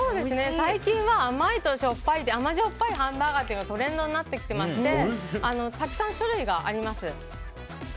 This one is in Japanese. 最近は甘いとしょっぱいで甘じょっぱいハンバーガーがトレンドになってきていましてたくさん種類があります。